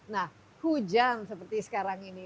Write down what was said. nah hujan seperti sekarang ini